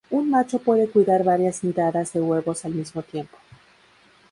Un macho puede cuidar varias nidadas de huevos al mismo tiempo.